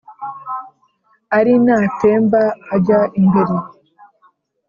Ali n'atemba ajya imbere